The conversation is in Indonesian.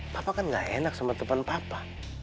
papa kan gak enak sama temen papa